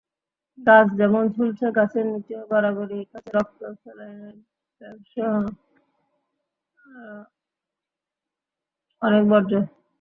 গাছে যেমন ঝুলছে, গাছের নিচেও গড়াগড়ি খাচ্ছে রক্ত-স্যালাইনের ব্যাগসহ আরও অনেক বর্জ্য।